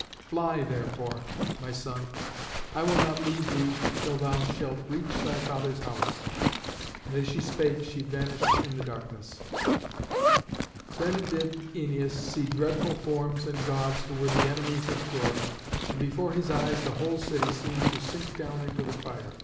Fly, therefore, my son. I will not leave thee till thou shalt reach thy father's house." And as she spake she vanished in the darkness. [Illustration: ÆNEAS AND HELEN.] Then did Æneas see dreadful forms and Gods who were the enemies of Troy, and before his eyes the whole city seemed to sink down into the fire.